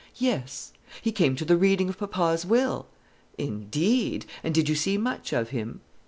"Yes." "He came to the reading of papa's will." "Indeed! and did you see much of him?"